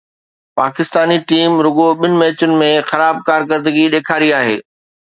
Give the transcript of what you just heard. Pakistani team رڳو ٻن ميچن ۾ خراب ڪارڪردگي ڏيکاري آهي.